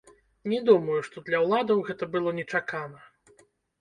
Не думаю, што для ўладаў гэта было нечакана.